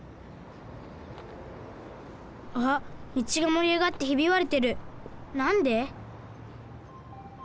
あっみちがもりあがってひびわれてるなんで？